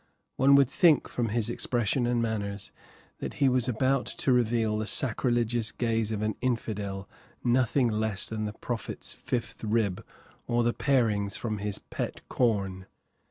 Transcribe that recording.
One would think, from his expression and manners, that he was about to reveal to the sacrilegious gaze of an infidel nothing less than the Prophet's fifth rib or the parings from his pet corn.